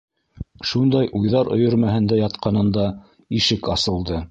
Шундай уйҙар өйөрмәһендә ятҡанында ишек асылды: